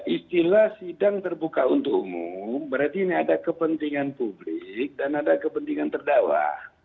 istilah sidang terbuka untuk umum berarti ini ada kepentingan publik dan ada kepentingan terdakwa